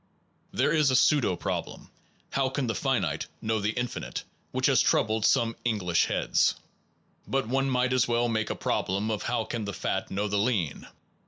There is a pseudo problem, How can the finite know the infinite? which has troubled some English heads. 1 But one might as well make a problem of How can the fat know the lean?